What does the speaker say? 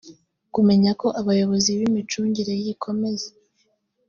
kumenya ko abayobozi b imicungire y ikomeza